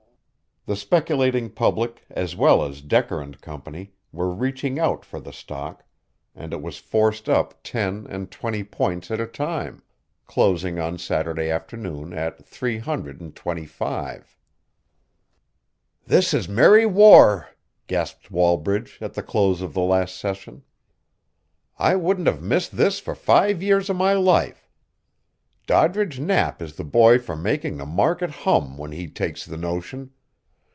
The speculating public as well as Decker and Company were reaching out for the stock, and it was forced up ten and twenty points at a time, closing on Saturday afternoon at three hundred and twenty five. "This is merry war," gasped Wallbridge, at the close of the last session. "I wouldn't have missed this for five years of my life. Doddridge Knapp is the boy for making the market hum when he takes the notion.